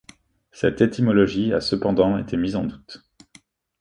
Cette étymologie a cependant été mise en doute.